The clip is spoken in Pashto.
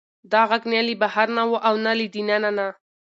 دا غږ نه له بهر نه و او نه له دننه نه.